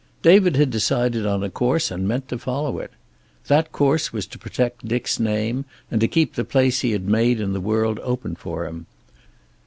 David had decided on a course and meant to follow it. That course was to protect Dick's name, and to keep the place he had made in the world open for him.